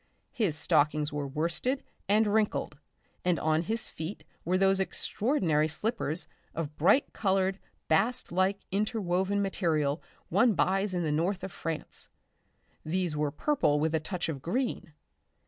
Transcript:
His stockings were worsted and wrinkled, and on his feet were those extraordinary slippers of bright coloured bast like interwoven material one buys in the north of France. These were purple with a touch of green.